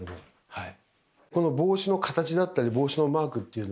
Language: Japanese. はい。